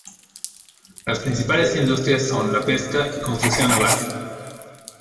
Las principales industrias son la pesca y construcción naval.